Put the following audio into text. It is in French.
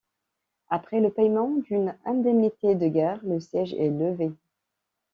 Après le paiement d’une indemnité de guerre, le siège est levé.